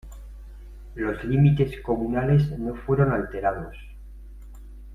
Los límites comunales no fueron alterados.